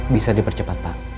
bisa dipercepat pak